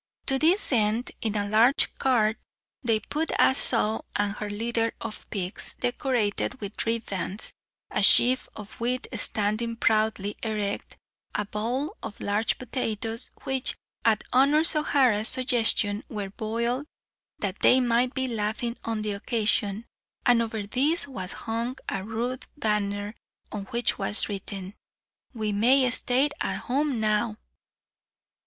To this end, in a large cart they put a sow and her litter of pigs, decorated with ribands, a sheaf of wheat standing proudly erect, a bowl of large potatoes, which, at Honor O'Hara's suggestion, were boiled, that they might be laughing on the occasion, and over these was hung a rude banner, on which was written, "We may stay at home now."